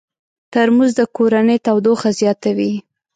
ترموز د کورنۍ تودوخه زیاتوي.